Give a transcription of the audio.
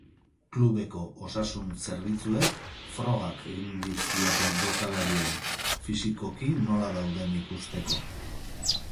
Klubeko osasun-zerbitzuek frogak egin dizkiete jokalariei, fisikoki nola dauden ikusteko.